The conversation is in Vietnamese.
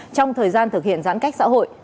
trong thời gian thực hiện giãn cách xã hội